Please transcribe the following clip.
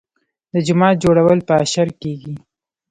د جومات جوړول په اشر کیږي.